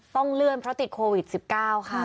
ต้องเลื่อนเพราะติดโควิด๑๙ค่ะ